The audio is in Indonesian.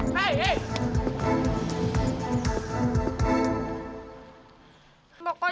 pokoknya mami harus berburu buru